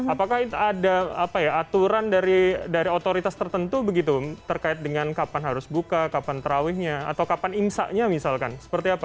apakah itu ada apa ya aturan dari otoritas tertentu begitu terkait dengan kapan harus buka kapan terawihnya atau kapan imsaknya misalkan seperti apa